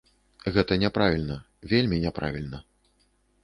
Гэта няправільна, вельмі няправільна.